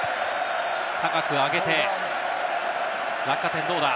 高く上げて落下点どうだ？